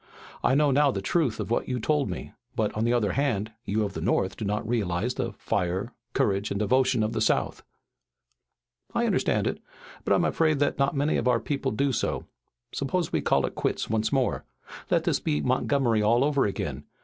I know now the truth of what you told me, but, on the other hand, you of the North do not realize the fire, courage and devotion of the South." "I understand it, but I'm afraid that not many of our people do so. Suppose we call it quits once more. Let this be Montgomery over again.